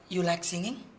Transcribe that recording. you like singing